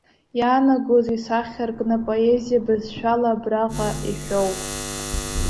Иаанагозеи, исахьаркны, поезиа бызшәала абраҟа иҳәоу?